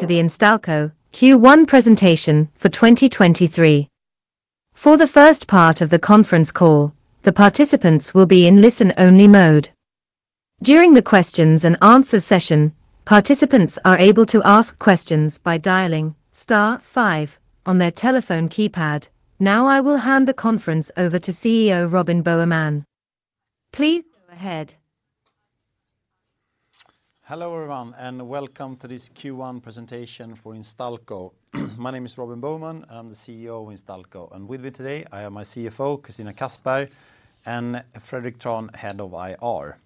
To the Instalco Q1 Presentation for 2023. For the first part of the conference call, the participants will be in listen-only mode. During the questions and answer session, participants are able to ask questions by dialing star five on their telephone keypad. Now I will hand the conference over to CEO, Robin Boheman. Please go ahead. Hello, everyone. Welcome to this Q1 Presentation for Instalco. My name is Robin Boheman. I'm the CEO of Instalco. With me today, I have my CFO, Christina Kassberg, and Fredrik Trahn, Head of IR.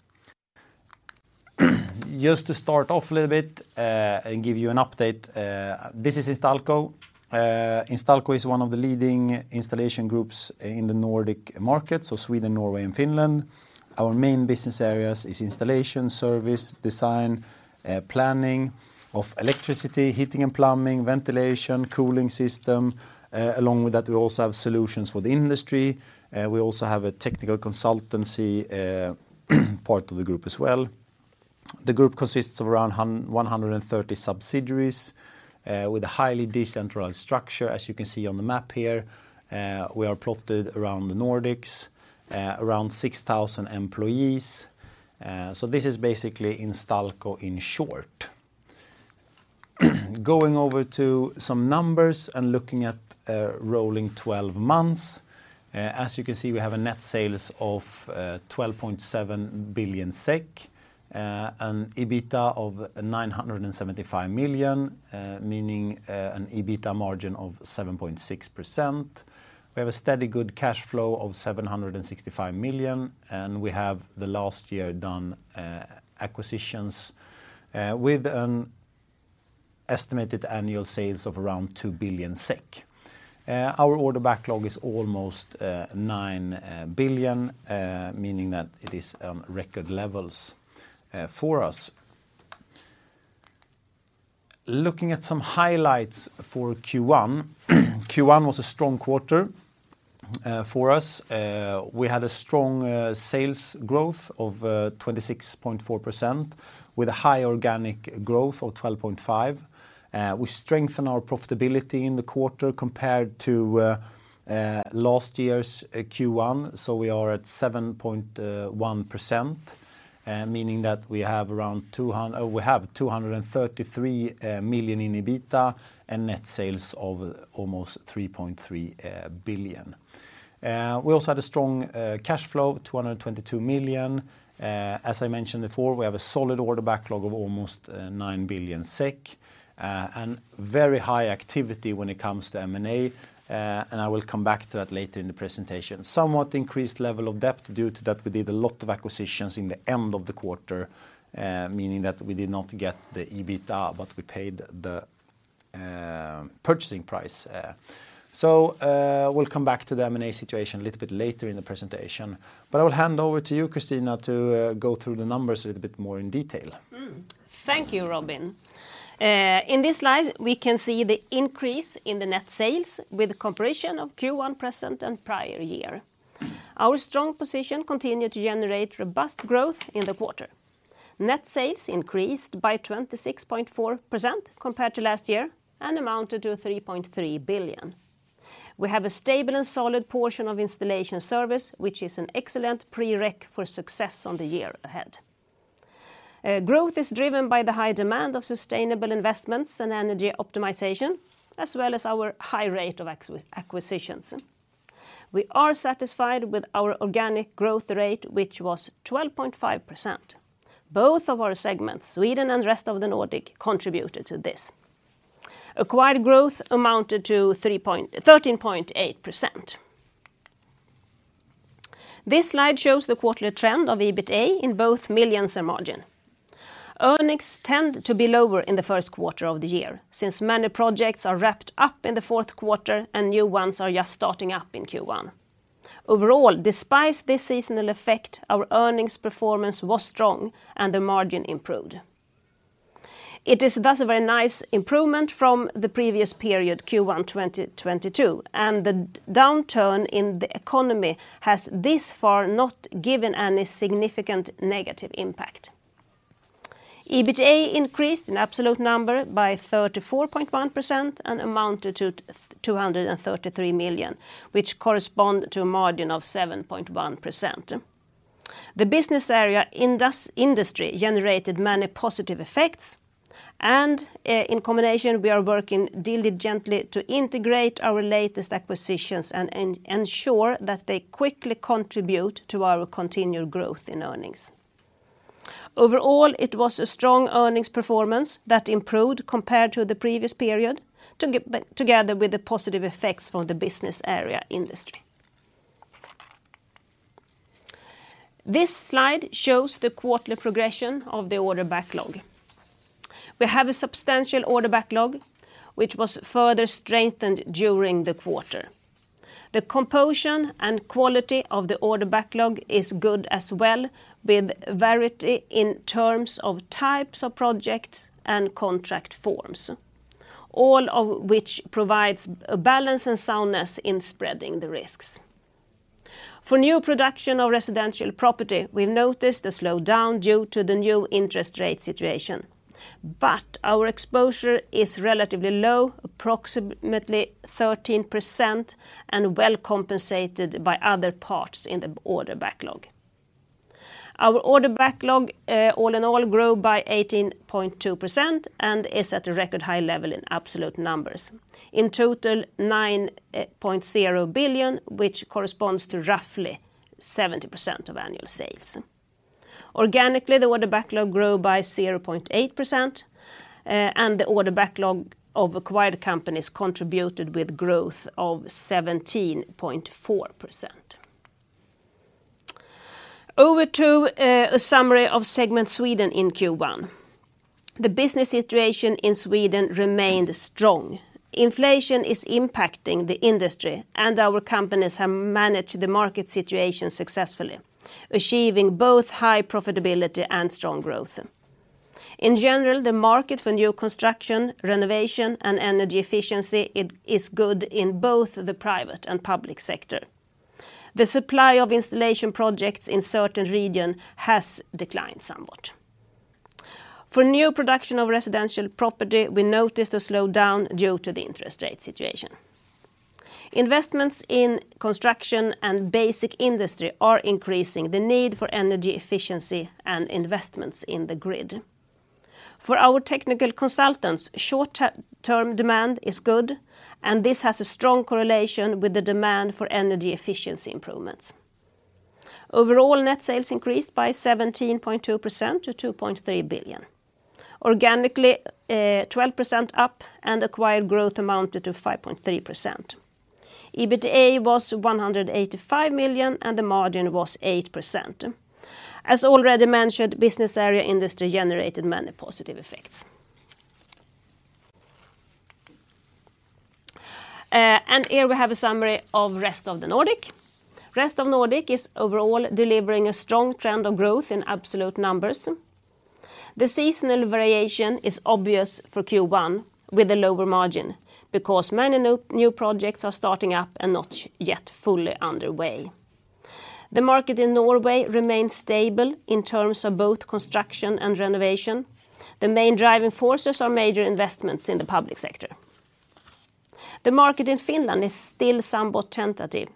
Just to start off a little bit and give you an update this is Instalco. Instalco is one of the leading installation groups in the Nordic market so Sweden, Norway, and Finland. Our main business areas is installation, service, design, planning of electricity, heating and plumbing, ventilation, cooling system. Along with that we also have solutions for the industry and we also have a technical consultancy part of the group as well. The group consists of around 130 subsidiaries with a highly decentralized structure. As you can see on the map here we are plotted around the Nordics around 6,000 employees. This is basically Instalco in short. Going over to some numbers and looking at rolling 12 months as you can se we have a net sales of 12.7 billion SEK, an EBITDA of 975 million meaning an EBITDA margin of 7.6%. We have a steady good cash flow of 765 million and we have the last year done acquisitions with an estimated annual sales of around 2 billion SEK. Our order backlog is almost 9 billion meaning that it is on record levels for us. Looking at some highlights for Q1 was a strong quarter for us. We had a strong sales growth of 26.4% with a high organic growth of 12.5%. We strengthen our profitability in the quarter compared to last year's Q1, so we are at 7.1% meaning that we have around or we have 233 million in EBITDA and net sales of almost 3.3 billion. We also had a strong cash flow 222 million. As I mentioned before we have a solid order backlog of almost 9 billion SEK and very high activity when it comes to M&A, and I will come back to that later in the presentation. Somewhat increased level of debt due to that we did a lot of acquisitions in the end of the quarter meaning that we did not get the EBITDA but we paid the purchasing price. We'll come back to the M&A situation a little bit later in the presentation but I will hand over to you Christina to go through the numbers a little bit more in detail. Thank you Robin. In this slide, we can see the increase in the net sales with a comparison of Q1 present and prior year. Our strong position continued to generate robust growth in the quarter. Net sales increased by 26.4% compared to last year and amounted to 3.3 billion. We have a stable and solid portion of installation service which is an excellent prereq for success on the year ahead. Growth is driven by the high demand of sustainable investments and energy optimization as well as our high rate of acquisitions. We are satisfied with our organic growth rat which was 12.5%. Both of our segments, Sweden and rest of the Nordic, contributed to this. Acquired growth amounted to 13.8%. This slide shows the quarterly trend of the EBITDA in both millions and margin. Earnings tend to be lower in the Q1 of the year since many projects are wrapped up in the Q4 and new ones are just starting up in Q1. Overall, despite this seasonal effect our earnings performance was strong and the margin improved. It is, thus, a very nice improvement from the previous period, Q1 2022 and the downturn in the economy has thus far not given any significant negative impact. EBITDA increased in absolute number by 34.1% and amounted to 233 millio which correspond to a margin of 7.1%. The business area industry generated many positive effects, and in combination we are working diligently to integrate our latest acquisitions and ensure that they quickly contribute to our continued growth in earnings. Overall, it was a strong earnings performance that improved compared to the previous period together with the positive effects from the business area industry. This slide shows the quarterly progression of the order backlog. We have a substantial order backlog which was further strengthened during the quarter. The composition and quality of the order backlog is good as well with variety in terms of types of projects and contract forms, all of which provides a balance and soundness in spreading the risks. For new production of residential property we've noticed a slowdown due to the new interest rate situation. Our exposure is relatively low approximately 13% and well compensated by other parts in the order backlog. Our order backlog all in all grew by 18.2% and is at a record high level in absolute numbers. In total, 9.0 billion which corresponds to roughly 70% of annual sales. Organically, the order backlog grew by 0.8% and the order backlog of acquired companies contributed with growth of 17.4%. Over to a summary of segment Sweden in Q1. The business situation in Sweden remained strong. Inflation is impacting the industry and our companies have managed the market situation successfully, achieving both high profitability and strong growth. In general, the market for new construction, renovation, and energy efficiency is good in both the private and public sector. The supply of installation projects in certain region has declined somewhat. For new production of residential property we noticed a slowdown due to the interest rate situation. Investments in construction and basic industry are increasing the need for energy efficiency and investments in the grid. For our technical consultants short-term demand is good and this has a strong correlation with the demand for energy efficiency improvements. Overall, net sales increased by 17.2% to 2.3 billion. Organically, 12% up acquired growth amounted to 5.3%. EBITDA was 185 million, the margin was 8%. As already mentioned, business area industry generated many positive effects. Here we have a summary of rest of the Nordic. Rest of the Nordic is overall delivering a strong trend of growth in absolute numbers. The seasonal variation is obvious for Q1 with a lower margin because many new projects are starting up and not yet fully underway. The market in Norway remains stable in terms of both construction and renovation. The main driving forces are major investments in the public sector. The market in Finland is still somewhat tentative.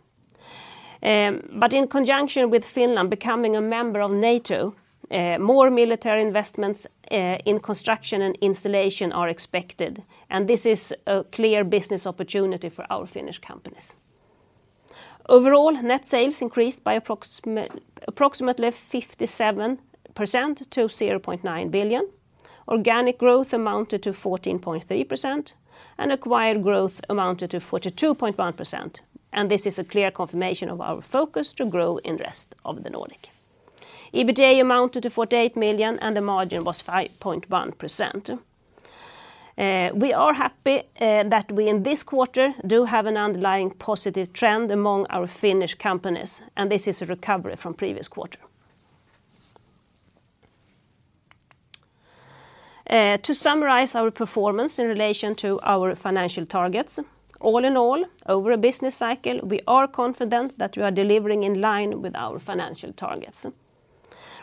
In conjunction with Finland becoming a member of NATO, more military investments in construction and installation are expected this is a clear business opportunity for our Finnish companies. Overall, net sales increased by approximately 57% to 0.9 billion. Organic growth amounted to 14.3 acquired growth amounted to 42.1% this is a clear confirmation of our focus to grow in rest of the Nordic. EBITDA amounted to 48 million the margin was 5.1%. We are happy that we in this quarter do have an underlying positive trend among our Finnish companies, this is a recovery from previous quarter. To summarize our performance in relation to our financial targets all in all over a business cycle we are confident that we are delivering in line with our financial targets.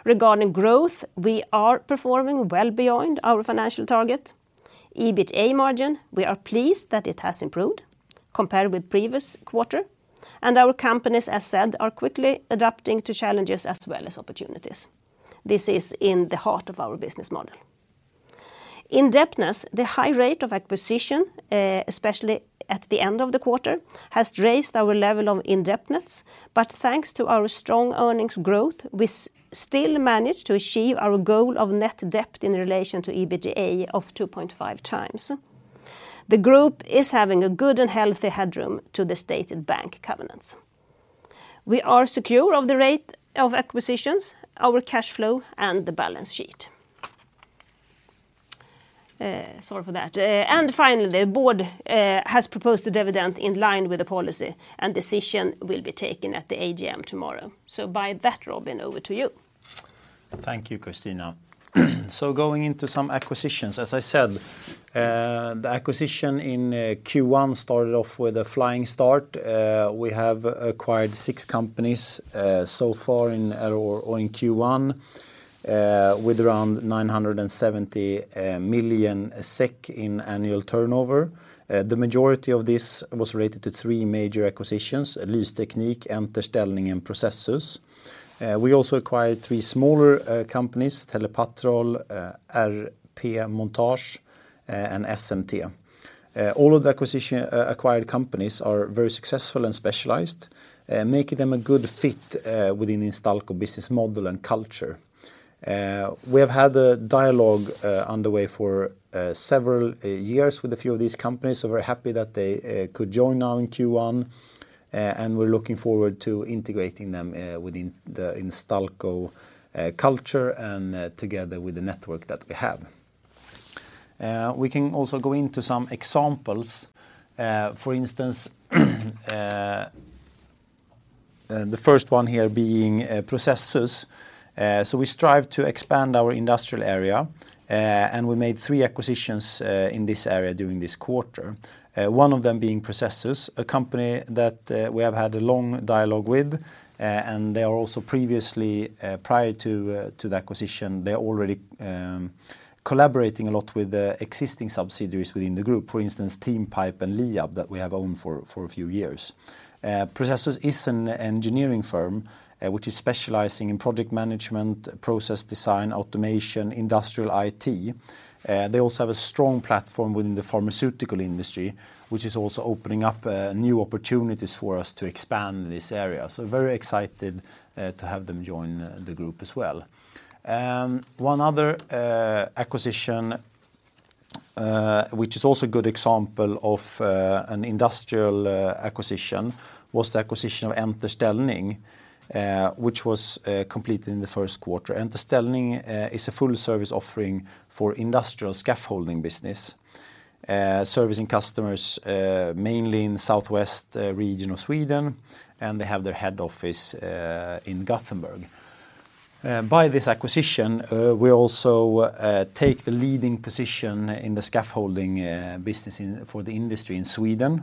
EBITDA margin, we are pleased that it has improved compared with previous quarter and our companies, as said, are quickly adapting to challenges as well as opportunities. This is in the heart of our business model. Indebtedness the high rate of acquisition especially at the end of the quarter has raised our level of indebtedness but thanks to our strong earnings growth, we still manage to achieve our goal of net debt in relation to EBITDA of 2.5x. The group is having a good and healthy headroom to the stated bank covenants. We are secure of the rate of acquisitions, our cash flow, and the balance sheet. Sorry for that. Finally, board has proposed a dividend in line with the policy and decision will be taken at the AGM tomorrow. By that, Robin, over to you. Thank you Christina. Going into some acquisitions, as I said, the acquisition in Q1 started off with a flying start. We have acquired six companies so far in or in Q1 with around 970 million SEK in annual turnover. The majority of this was related to three major acquisitions, Lysteknikk, Enter Ställningar, and Processus. We also acquired three smaller companies, TelePatrol, RP Montage, and SMT. All of the acquired companies are very successful and specialized making them a good fit within Instalco business model and culture. We have had a dialogue underway for several years with a few of these companies we're happy that they could join now in Q1. We're looking forward to integrating them within the Instalco culture and together with the network that we have. We can also go into some examples. For instance, the first one here being Processus. We strive to expand our industrial area and we made three acquisitions in this area during this quarter. One of them being Processus, a company that we have had a long dialogue with, and they are also previously prior to the acquisition they're already collaborating a lot with the existing subsidiaries within the group for instance, Teampipe and Liab that we have owned for a few years. Processus is an engineering firm, which is specializing in project management, process design, automation, industrial IT. They also have a strong platform within the pharmaceutical industry which is also opening up new opportunities for us to expand this area. Very excited to have them join the group as well. One other acquisition which is also a good example of an industrial acquisition was the acquisition of Enter Ställningar, which was completed in the Q1. Enter Ställningar is a full service offering for industrial scaffolding business, servicing customers mainly in the southwest region of Swede and they have their head office in Gothenburg. By this acquisition, we also take the leading position in the scaffolding business in for the industry in Sweden,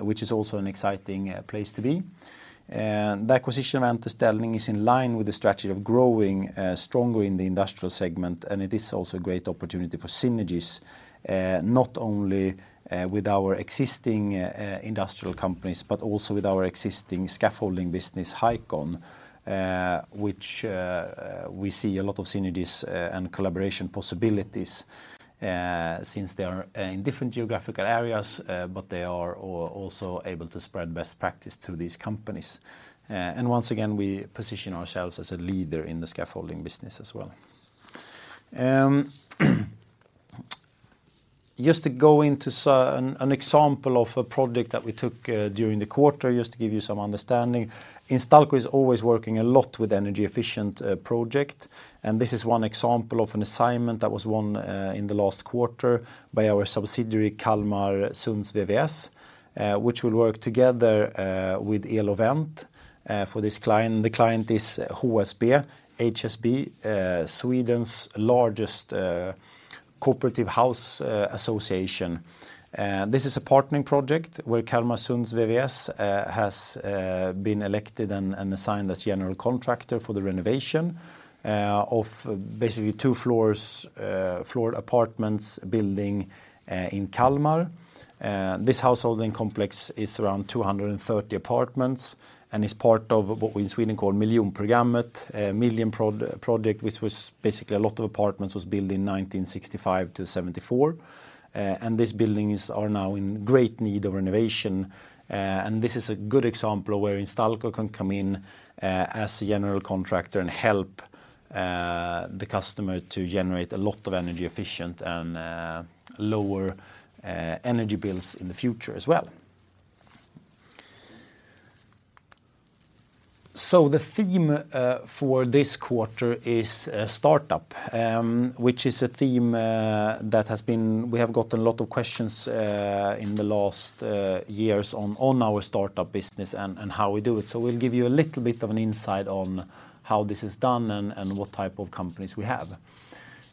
which is also an exciting place to be. The acquisition of Enter Ställningar is in line with the strategy of growing stronger in the industrial segment and it is also a great opportunity for synergies not only with our existing industrial companies but also with our existing scaffolding business, Highcon, which we see a lot of synergies and collaboration possibilities since they are in different geographical areas but they are also able to spread best practice to these companies. And once again, we position ourselves as a leader in the scaffolding business as well. Just to go into an example of a project that we took during the quarter just to give you some understanding. Instalco is always working a lot with energy-efficient project. This is one example of an assignment that was won in the last quarter by our subsidiary Calmarsunds VVS which will work together with Elovent for this client. The client is HSB, Sweden's largest cooperative house association. This is a partnering project where Calmarsunds VVS has been elected and assigned as general contractor for the renovation of basically two floors, floor apartments building in Kalmar. This household and complex is around 230 apartments and is part of what we in Sweden call Miljonprogrammet, a million project which was basically a lot of apartments was built in 1965-1974. These buildings are now in great need of renovation. This is a good example of where Instalco can come in as a general contractor and help the customer to generate a lot of energy efficient and lower energy bills in the future as well. The theme for this quarter is startup which is a theme we have gotten a lot of questions in the last years on our startup business and how we do it. We'll give you a little bit of an insight on how this is done and what type of companies we have.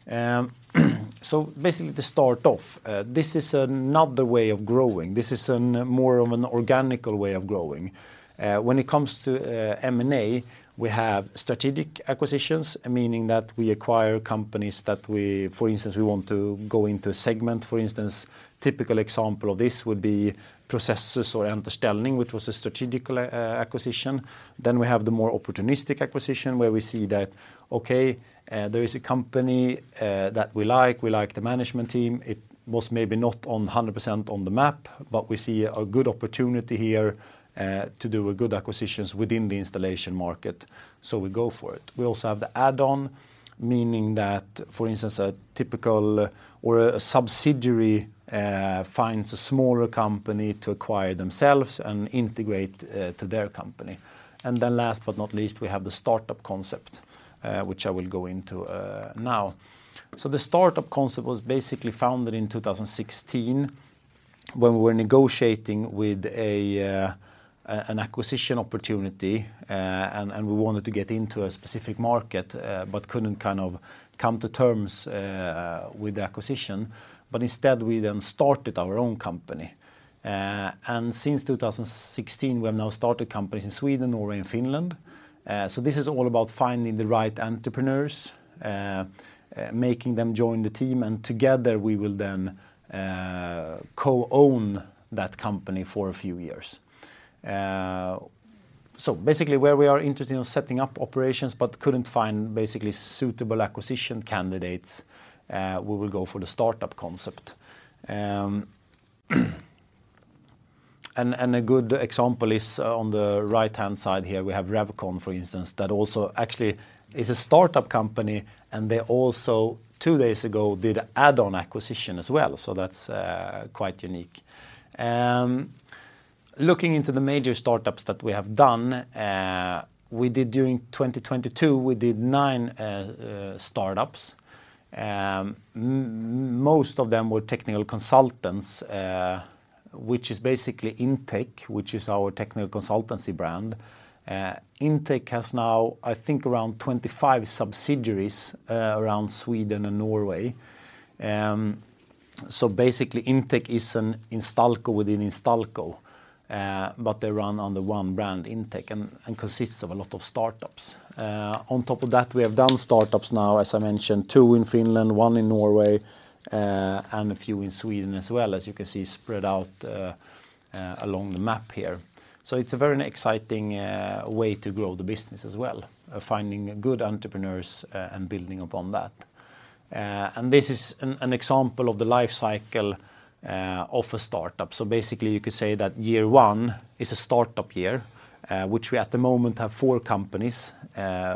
Basically to start off this is another way of growing. This is an more of an organic way of growing. When it comes to M&A we have strategic acquisitions meaning that we acquire companies that we, for instance, we want to go into a segment, for instance. Typical example of this would be Processus or Enter Ställningar which was a strategical acquisition. We have the more opportunistic acquisition where we see that, okay, there is a company that we like, we like the management team. It was maybe not on 100% on the map but we see a good opportunity here to do a good acquisitions within the installation market, so we go for it. We also have the add-on meaning that, for instance, a typical or a subsidiary finds a smaller company to acquire themselves and integrate to their company. Last but not least, we have the startup concept, which I will go into now. The startup concept was basically founded in 2016 when we were negotiating with an acquisition opportunity and we wanted to get into a specific market but couldn't kind of come to terms with the acquisition. Instead, we then started our own company. Since 2016, we have now started companies in Sweden or in Finland. This is all about finding the right entrepreneurs, making them join the team and together we will then co-own that company for a few years. Basically where we are interested in setting up operations but couldn't find basically suitable acquisition candidates we will go for the startup concept. A good example is on the right-hand side here we have Revcon, for instance, that also actually is a startup company and they also two days ago did add-on acquisition as well. That's quite unique. Looking into the major startups that we have done, we did during 2022, we did nine startups. Most of them were technical consultants which is basically Intec, which is our technical consultancy brand. Intec has now, I think, around 25 subsidiaries around Sweden and Norway. Basically Intec is an Instalco within Instalco but they run under one brand, Intec and consists of a lot of startups. On top of that we have done startups now, as I mentioned, two in Finland, one in Norway and a few in Sweden as well as you can see spread out along the map here. It's a very exciting way to grow the business as well, finding good entrepreneurs and building upon that. This is an example of the life cycle of a startup. Basically you could say that year one is a startup year, which we at the moment have four companies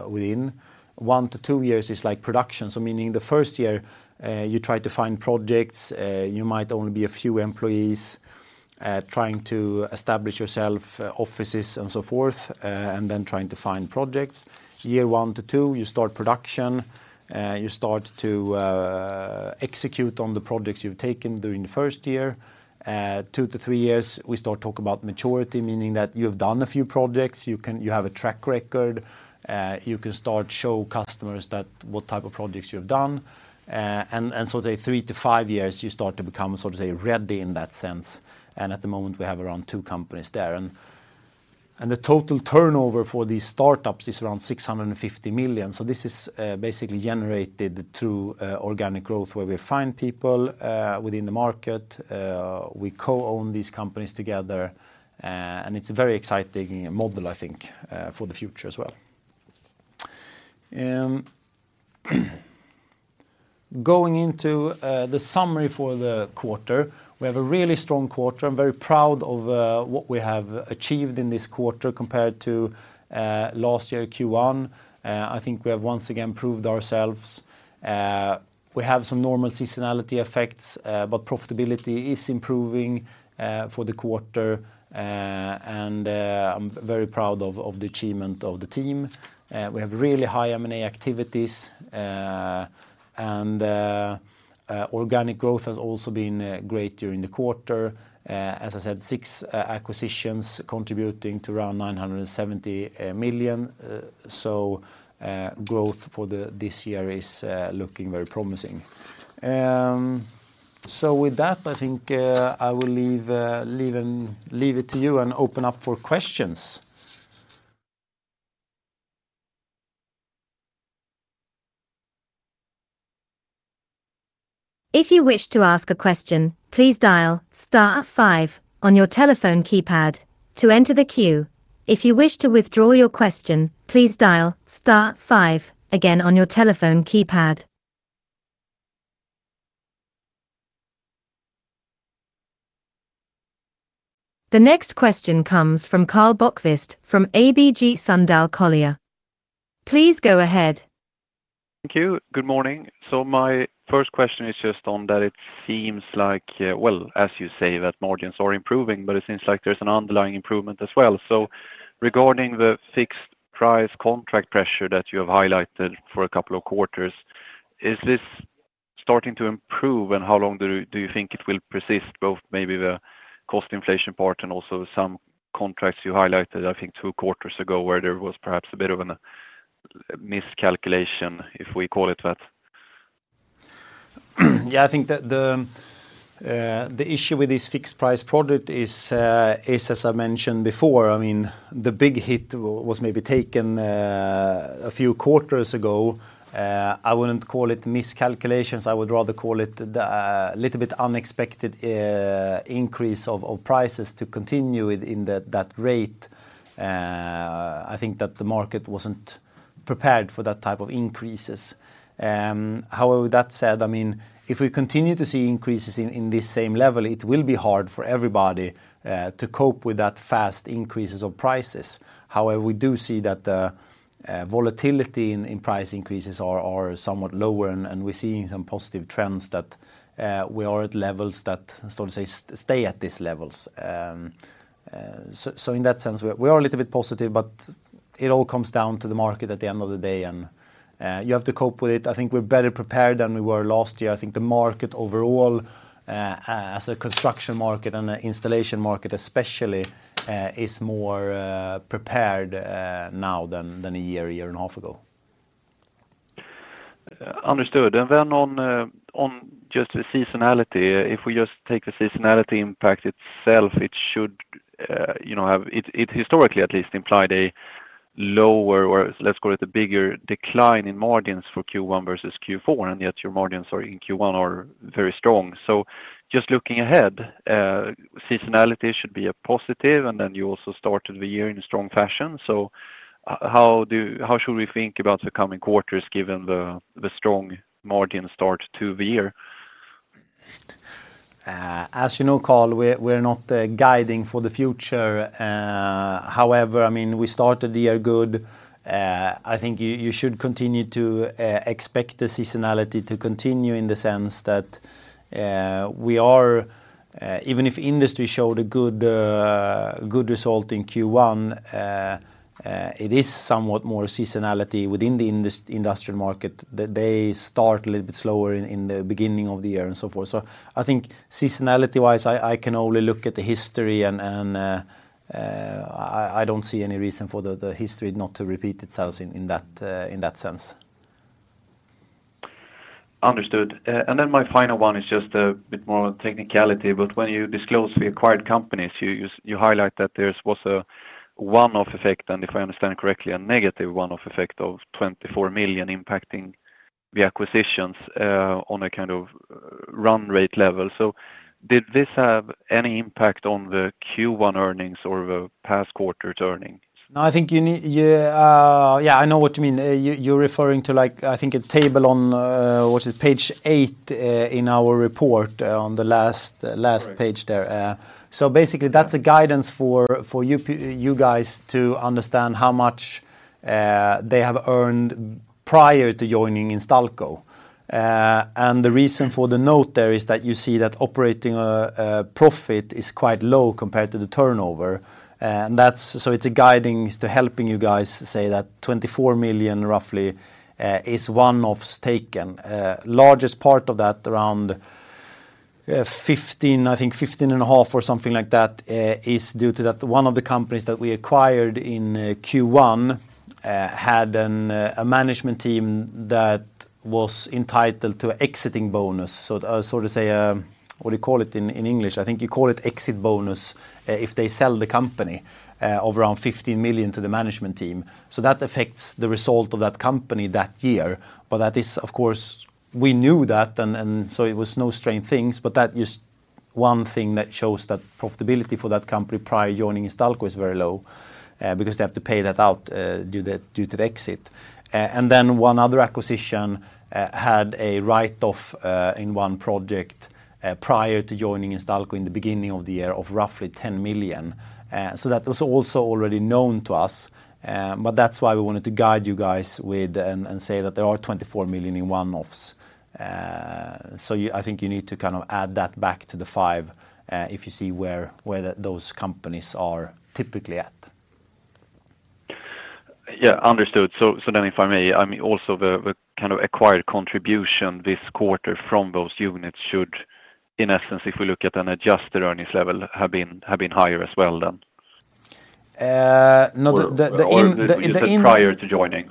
within. One to two years is like production, so meaning the first year you try to find projects. You might only be a few employees trying to establish yourself, offices and so forth, and then trying to find projects. Year one to two, you start production. You start to execute on the projects you've taken during the first year. Two to three years, we start talk about maturity meaning that you've done a few projects. You have a track record. You can start show customers that what type of projects you have done. The three to five years, you start to become sort of, say, ready in that sense. At the moment, we have around two companies there. The total turnover for these startups is around 650 million. This is basically generated through organic growth where we find people within the market. We co-own these companies together. It's a very exciting model, I think, for the future as well. Going into the summary for the quarter we have a really strong quarter. I'm very proud of what we have achieved in this quarter compared to last year Q1. I think we have once again proved ourselves. We have some normal seasonality effects, but profitability is improving for the quarter. I'm very proud of the achievement of the team. We have really high M&A activities. Organic growth has also been great during the quarter. As I said, six acquisitions contributing to around 970 million. Growth for this year is looking very promising. With that, I think I will leave and leave it to you and open up for questions. If you wish to ask a question, please dial star five on your telephone keypad to enter the queue. If you wish to withdraw your question, please dial star five again on your telephone keypad. The next question comes from Karl Bokvist from ABG Sundal Collier. Please go ahead. Thank you. Good morning. My first question is just on that it seems like, well, as you say, that margins are improving but it seems like there's an underlying improvement as well. Regarding the fixed price contract pressure that you have highlighted for a couple of quarters, is this starting to improve and how long do you think it will persist both maybe the cost inflation part and also some contracts you highlighted, I think two quarters ago, where there was perhaps a bit of a miscalculation, if we call it that? I think the issue with this fixed price product is, as I mentioned before, I mean, the big hit was maybe taken a few quarters ago. I wouldn't call it miscalculations. I would rather call it the little bit unexpected increase of prices to continue it in that rate. I think that the market wasn't prepared for that type of increases. That said, I mean, if we continue to see increases in this same level it will be hard for everybody to cope with that fast increases of prices. We do see that volatility in price increases are somewhat lower and we're seeing some positive trends that we are at levels that sort of stay at these levels. In that sense, we are a little bit positive but it all comes down to the market at the end of the day and you have to cope with it. I think we're better prepared than we were last year. I think the market overall as a construction market and an installation market especially is more prepared now than a year and a half ago. Understood. Then on just the seasonality, if we just take the seasonality impact itself it should, you know, historically at least implied a lower o let's call it a bigger decline in margins for Q1 versus Q4. Yet your margins in Q1 are very strong. Just looking ahead, seasonality should be a positive, then you also started the year in a strong fashion. How do, how should we think about the coming quarters given the strong margin start to the year? As you know Karl, we're not guiding for the future. I mean, we started the year good. I think you should continue to expect the seasonality to continue in the sense that even if industry showed a good result in Q1, it is somewhat more seasonality within the industrial market that they start a little bit slower in the beginning of the year and so forth. I think seasonality-wise I can only look at the history and I don't see any reason for the history not to repeat itself in that sense. Understood. My final one is just a bit more technicality but when you disclose the acquired companies, you highlight that there's was a one-off effect and if I understand correctly, a negative one-off effect of 24 million impacting the acquisitions on a kind of run rate level. Did this have any impact on the Q1 earnings or the past quarters earnings? No, I know what you mean. You're referring to, like, I think a table on, what's it, page eight in our report on the last page there. Right. Basically that's a guidance for you guys to understand how much they have earned prior to joining Instalco. The reason for the note there is that you see that operating profit is quite low compared to the turnover, and that's. It's a guidance to helping you guys say that 24 million roughly is one-offs taken. Largest part of that around 15, I think 15 and a half or something like that is due to that one of the companies that we acquired in Q1 had a management team that was entitled to exiting bonus. To say, what do you call it in English? I think you call it exit bonus, if they sell the company of around 15 million to the management team. That affects the result of that company that year. That is, of course, we knew that and it was no strange things but that is one thing that shows that profitability for that company prior joining Instalco is very low, because they have to pay that out due to the exit. And then one other acquisition had a write-off in one project prior to joining Instalco in the beginning of the year of roughly 10 million. That was also already known to us, but that's why we wanted to guide you guys with and say that there are 24 million in one-offs. I think you need to kind of add that back to the 5 million, if you see where those companies are typically at. Understood. If I may, I mean, also the kind of acquired contribution this quarter from those units should, in essence if we look at an adjusted earnings level, have been higher as well then? No. You said prior to joining.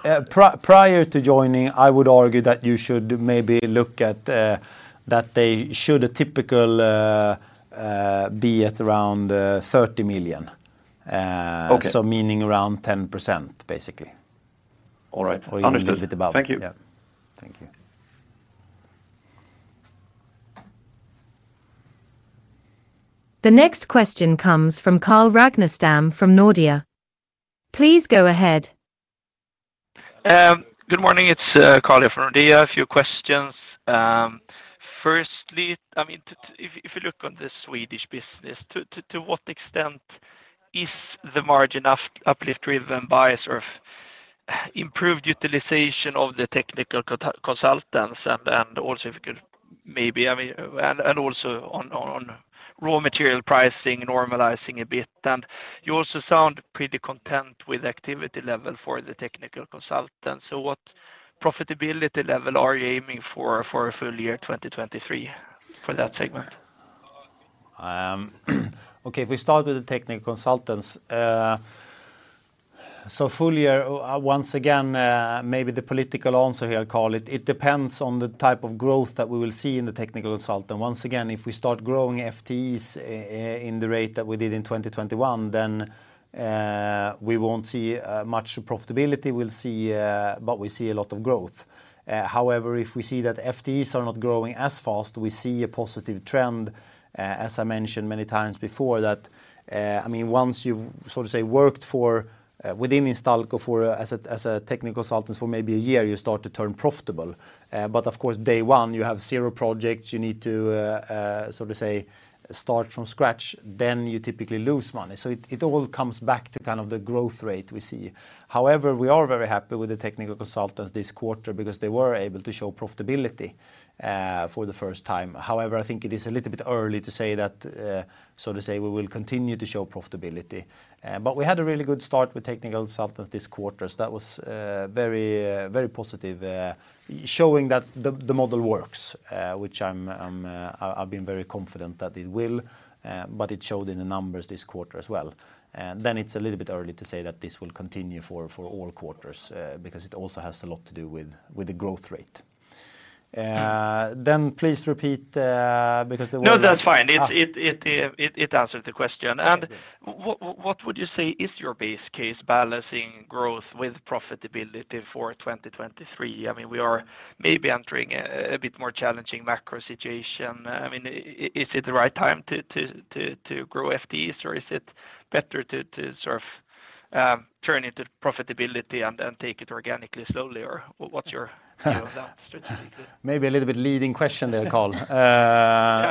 Prior to joining, I would argue that you should maybe look at that they should a typical be at around 30 million. Okay. Meaning around 10%, basically. All right. Understood. Even a little bit above. Thank you. Yeah. Thank you. The next question comes from Carl Ragnerstam from Nordea. Please go ahead. Good morning it's Carl here from Nordea. A few questions. Firstly, I mean, if you look on the Swedish business, to what extent is the margin uplift driven by sort of improved utilization of the technical consultants and also if you could maybe, I mean also on raw material pricing normalizing a bit. You also sound pretty content with activity level for the technical consultants. What profitability level are you aiming for a full year 2023 for that segment? Okay, if we start with the technical consultants. Full year, once again, maybe the political answer here, Carl. It depends on the type of growth that we will see in the technical consultant. Once again, if we start growing FTEs in the rate that we did in 2021 then we won't see much profitability. We'll see, but we see a lot of growth. However, if we see that FTEs are not growing as fast, we see a positive trend, as I mentioned many times before, that, I mean once you've sort of say, worked for within Instalco for a, as a, as a technical consultant for maybe a year, you start to turn profitable. Of course, day one, you have zero projects. You need to, sort of say, start from scratch then you typically lose money. It all comes back to kind of the growth rate we see. However, we are very happy with the technical consultants this quarter because they were able to show profitability for the first time. However, I think it is a little bit early to say that, so to say, we will continue to show profitability. We had a really good start with technical consultants this quarter. That was very, very positive, showing that the model works which I've been very confident that it will but it showed in the numbers this quarter as well. It's a little bit early to say that this will continue for all quarters because it also has a lot to do with the growth rate. Please repeat. No, that's fine. Ah. It answers the question. Okay. What would you say is your base case balancing growth with profitability for 2023? I mean, we are maybe entering a bit more challenging macro situation. I mean, is it the right time to grow FTEs or is it better to sort of turn into profitability and then take it organically, slowly, or what's your view of that strategy? Maybe a little bit leading question there, Carl. Yeah.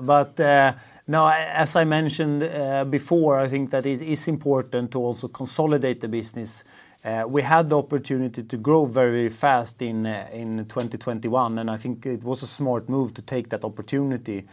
Maybe. As I mentioned before, I think that it is important to also consolidate the business. We had the opportunity to grow very fast in 2021 and I think it was a smart move to take that opportunity.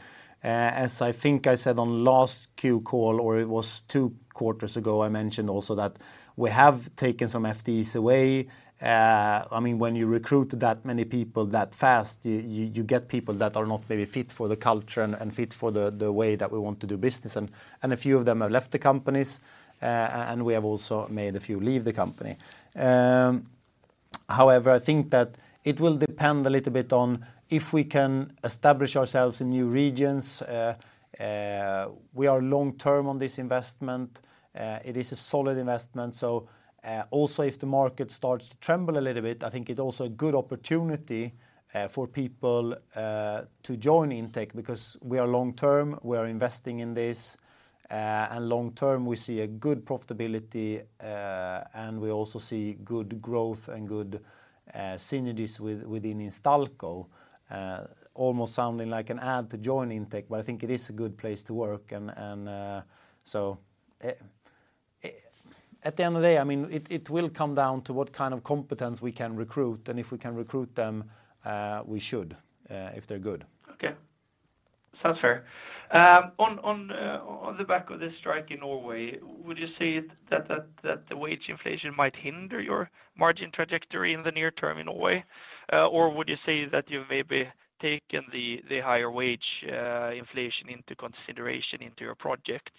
As I think I said on last Q call or it was two quarters ago, I mentioned also that we have taken some FTEs away. I mean, when you recruit that many people that fast, you get people that are not very fit for the culture and fit for the way that we want to do business. A few of them have left the companies and we have also made a few leave the company. I think that it will depend a little bit on if we can establish ourselves in new regions. We are long-term on this investment. It is a solid investment. Also if the market starts to tremble a little bit I think it also a good opportunity for people to join Intec because we are long-term, we are investing in this. Long-term, we see a good profitability and we also see good growth and good synergies within Instalco. Almost sounding like an ad to join Intec, I think it is a good place to work and at the end of the day, I mean it will come down to what kind of competence we can recruit and if we can recruit them, we should if they're good. Okay. Sounds fair. On the back of this strike in Norway, would you say that the wage inflation might hinder your margin trajectory in the near term in a way? Or would you say that you've maybe taken the higher wage inflation into consideration into your projects,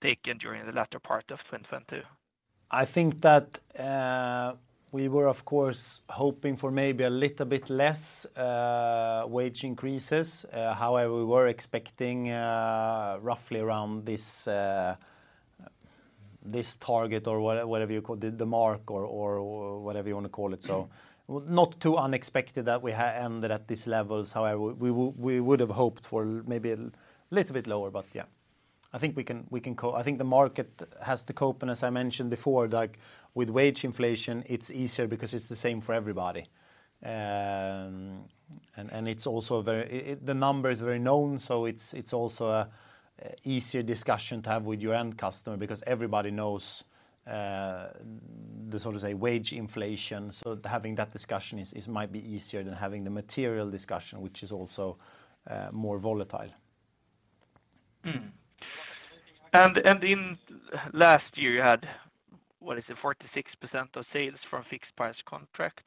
taken during the latter part of 2022? I think that we were, of course, hoping for maybe a little bit less wage increases. However, we were expecting roughly around this target or whatever you call the mark or whatever you wanna call it. Not too unexpected that we ended at this level. However, we would have hoped for maybe a little bit lower. Yeah, I think we can, I think the market has to cope. As I mentioned before, like with wage inflation, it's easier because it's the same for everybody. And it's also very, it the number is very known, so it's also an easier discussion to have with your end customer because everybody knows the, so to say, wage inflation. Having that discussion is might be easier than having the material discussion, which is also more volatile. In last year, you had, what is it 46% of sales from fixed price contracts.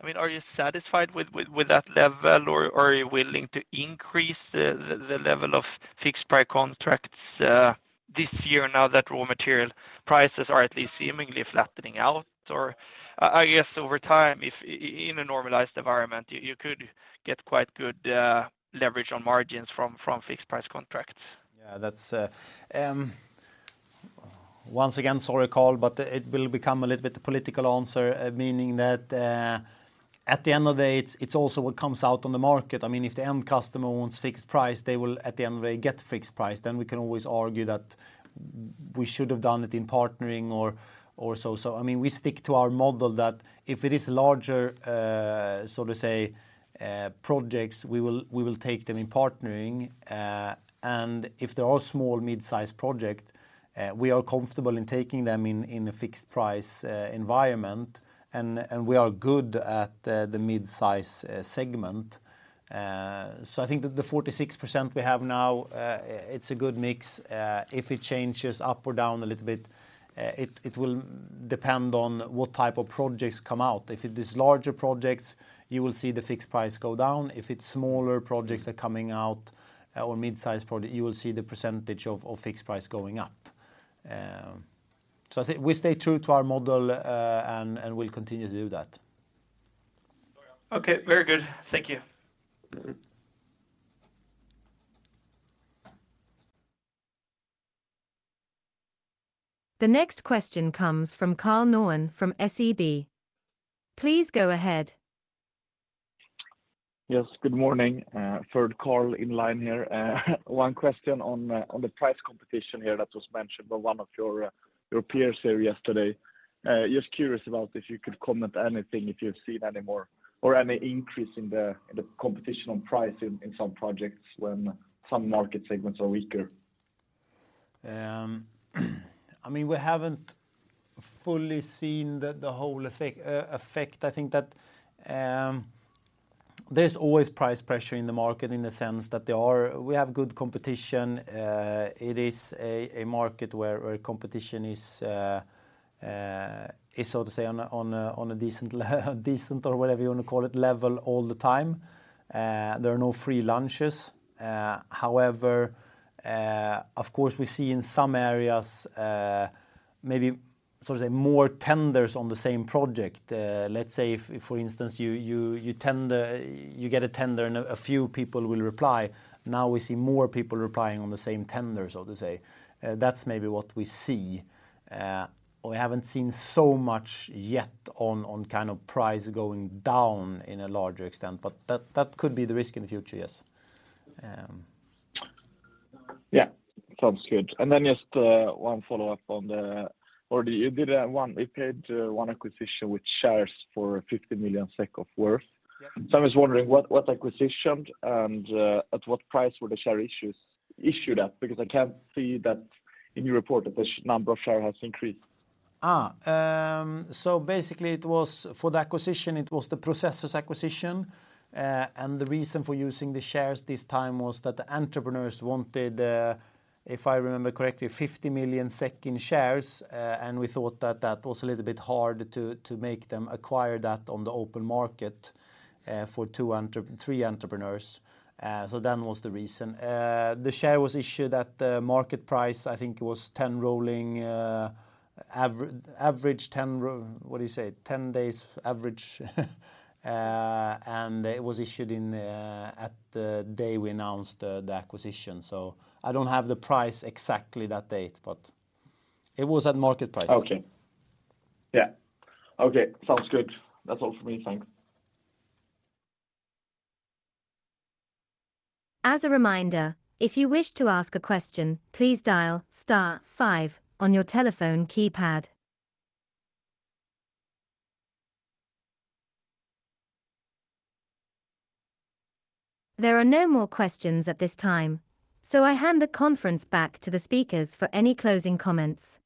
I mean, are you satisfied with that level or are you willing to increase the level of fixed price contracts this year now that raw material prices are at least seemingly flattening out? I guess over time, if in a normalized environment, you could get quite good leverage on margins from fixed price contracts. Yeah that's, once again, sorry Carl, but it will become a little bit a political answer meaning that at the end of the day, it's also what comes out on the market. I mean, if the end customer wants fixed price they will at the end of the day get fixed price. We can always argue that we should have done it in partnering or so. I mean, we stick to our model that if it is larger, so to say, projects, we will take them in partnering. And if they are small, mid-sized project we are comfortable in taking them in a fixed price environment. And we are good at the mid-size segment. So I think that the 46% we have now, it's a good mix. if it changes up or down a little bit, it will depend on what type of projects come out. If it is larger projects, you will see the fixed price go down. If it's smaller projects are coming out or mid-sized project, you will see the percentage of fixed price going up. I think we stay true to our model and we'll continue to do that. Okay, very good. Thank you. Mm-hmm. The next question comes from Karl Norén from SEB. Please go ahead. Yes good morning. Third Karl Norén in line here. One question on the price competition here that was mentioned by one of your peers here yesterday. Just curious about if you could comment anything, if you've seen any more or any increase in the competition on price in some projects when some market segments are weaker. I mean, we haven't fully seen the whole effect. I think that there's always price pressure in the market in the sense that we have good competition. It is a market where competition is so to say on a decent or whatever you wanna call it, level all the time. There are no free lunches. However, of course, we see in some areas maybe so to say, more tenders on the same project. Let's say if for instance, you tender, you get a tender and a few people will reply. Now we see more people replying on the same tender, so to say. That's maybe what we see. We haven't seen so much yet on kind of price going down in a larger extent, but that could be the risk in the future, yes. Yeah. Sounds good. Just, one follow-up or you did one. You paid one acquisition with shares for 50 million SEK of worth. Yeah. I'm just wondering what acquisition and at what price were the share issues, issued at? I can't see that in your report that the number of share has increased. Basically it was for the acquisition, it was the Processus acquisition. The reason for using the shares this time was that the entrepreneurs wanted, if I remember correctly 50 million SEK in shares. We thought that that was a little bit hard to make them acquire that on the open market for three entrepreneurs. That was the reason. The share was issued at the market price, I think it was 10 rolling, what do you say? 10 days average, it was issued at the day we announced the acquisition. I don't have the price exactly that date, but it was at market price. Okay. Yeah. Okay, sounds good. That's all for me. Thanks. As a reminder, if you wish to ask a question, please dial star five on your telephone keypad. There are no more questions at this time. I hand the conference back to the speakers for any closing comments.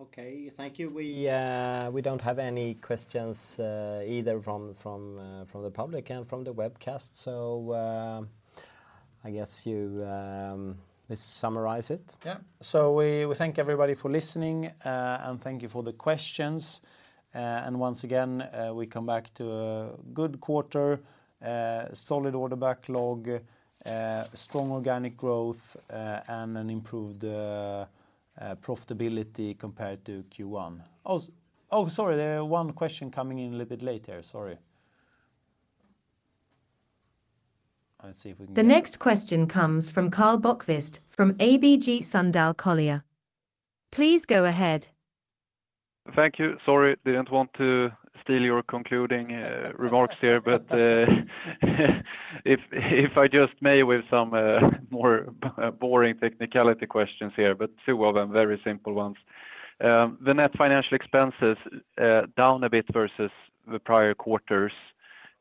Okay, thank you. We don't have any questions, either from the public and from the webcast. I guess you summarize it. We thank everybody for listening, and thank you for the questions. Once again, we come back to a good quarter, a solid order backlog, strong organic growth, and an improved profitability compared to Q1. Oh, sorry, there one question coming in a little bit late there. Sorry. Let's see if we can get it. The next question comes from Karl Bokvist from ABG Sundal Collier. Please go ahead. Thank you. Sorry, didn't want to steal your concluding remarks here. If I just may with some more boring technicality questions here but two of them, very simple ones. The net financial expenses, down a bit versus the prior quarters.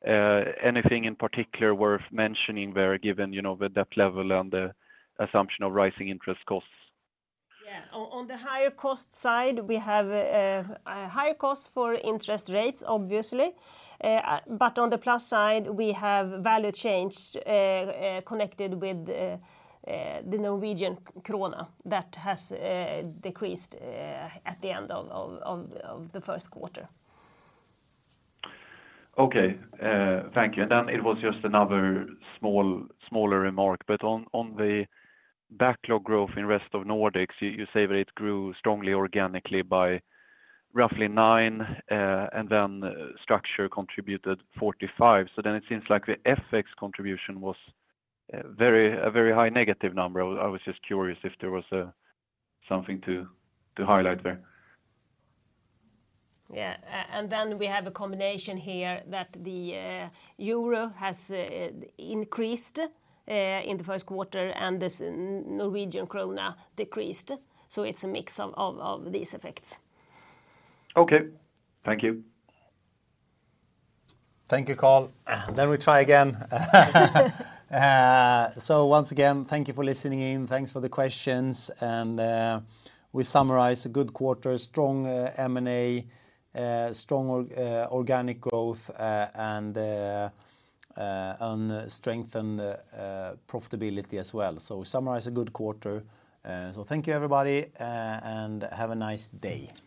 Anything in particular worth mentioning there, given, you know, the debt level and the assumption of rising interest costs? On the higher cost side we have a higher cost for interest rates, obviously. On the plus side, we have value change connected with the Norwegian Krone that has decreased at the end of the Q1. Okay. Thank you. It was just another smaller remark, on the backlog growth in rest of the Nordic, you say that it grew strongly organically by roughly 9%, structure contributed 45%. It seems like the FX contribution was a very high negative number. I was just curious if there was something to highlight there. We have a combination here that the euro has increased in the Q1 and this Norwegian Krone decreased. It's a mix of these effects. Okay. Thank you. Thank you, Karl. We try again. Once again, thank you for listening in. Thanks for the questions. We summarize a good quarter, strong M&A, strong organic growth, and strength and profitability as well. We summarize a good quarter. Thank you, everybody, have a nice day. Bye.